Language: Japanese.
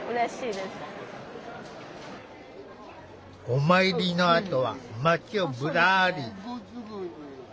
お参りのあとは街をぶらり。